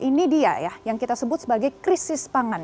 ini dia ya yang kita sebut sebagai krisis pangan